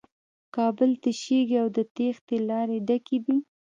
کابل تشېږي او د تېښې لارې ډکې دي.